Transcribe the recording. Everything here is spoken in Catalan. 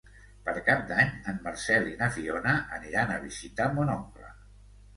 Per Cap d'Any en Marcel i na Fiona aniran a visitar mon oncle.